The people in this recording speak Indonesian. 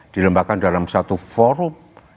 dilembagakan dalam suatu forum